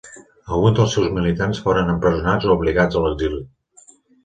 Alguns dels seus militants foren empresonats o obligats a l'exili.